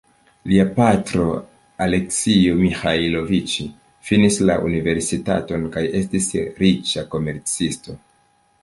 Lia patro "Aleksio Miĥajloviĉ" finis la universitaton kaj estis riĉa komercisto.